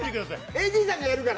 ＡＤさんがやるから。